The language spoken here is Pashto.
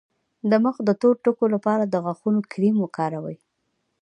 د مخ د تور ټکو لپاره د غاښونو کریم وکاروئ